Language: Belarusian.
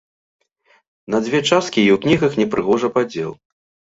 На дзве часткі і ў кнігах не прыгожа падзел.